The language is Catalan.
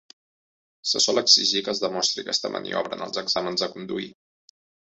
Se sol exigir que es demostri aquesta maniobra en els exàmens de conduir.